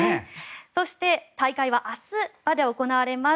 そして、大会は明日まで行われます。